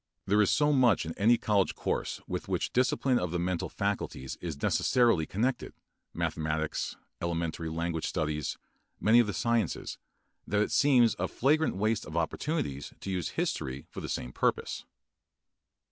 There is so much in any college course with which discipline of the mental faculties is necessarily connected, mathematics, elementary language studies, many of the sciences, that it seems a flagrant waste of opportunities to use history for the same purpose.